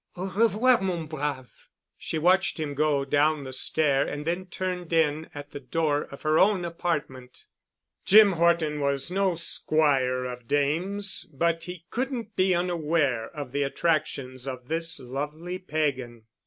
Au revoir, mon brave." She watched him go down the stair and then turned in at the door of her own apartment. Jim Horton was no squire of dames, but he couldn't be unaware of the attractions of this lovely pagan.